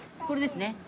これですね。